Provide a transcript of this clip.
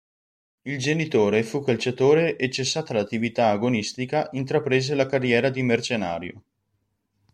Il genitore fu calciatore e cessata l'attività agonistica intraprese la carriera di mercenario.